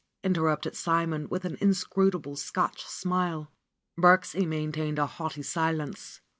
interrupted Simon with an inscrutable Scotch smile. Birksie maintained a haughty silence.